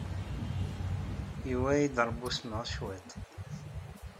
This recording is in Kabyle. Yuwey-iyi-d Ṛebbi usmeɣ cwiṭ.